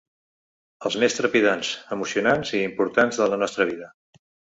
Els més trepidants, emocionants i importants de la nostra vida.